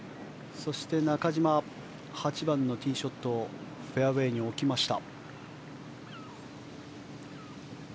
そして中島は８番のティーショットをフェアウェーに置きました。